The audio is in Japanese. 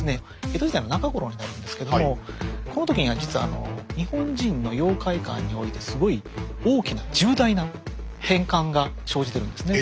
江戸時代の中頃になるんですけどもこの時には実はあの日本人の妖怪観においてすごい大きな重大な変換が生じてるんですね。